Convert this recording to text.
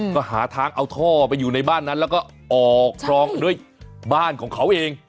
ก็หาทางเอาท่อไปอยู่ในบ้านนั้นแล้วก็ออกครองด้วยบ้านของเขาเอง